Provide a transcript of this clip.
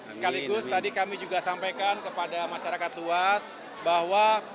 sekaligus tadi kami juga sampaikan kepada masyarakat luas bahwa